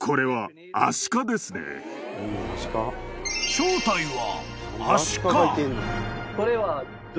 ［正体は］